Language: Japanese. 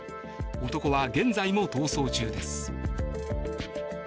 男は現在も逃走中です。